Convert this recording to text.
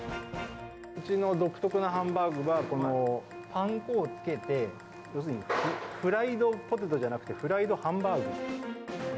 うちの独特なハンバーグは、このパン粉をつけて、要するにフライドポテトじゃなくて、フライドハンバーグ。